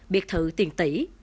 biệt thự tiền tỷ